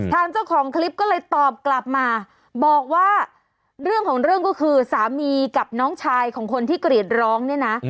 เจ้าของคลิปก็เลยตอบกลับมาบอกว่าเรื่องของเรื่องก็คือสามีกับน้องชายของคนที่กรีดร้องเนี่ยนะ